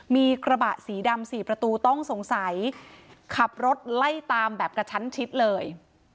มีกระบะสีดำสี่ประตูต้องสงสัยขับรถไล่ตามแบบกระชั้นชิดเลย